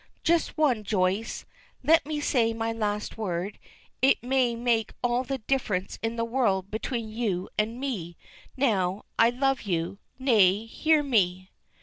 "Just one, Joyce let me say my last word; it may make all the difference in the world between you and me now. I love you nay, hear me!"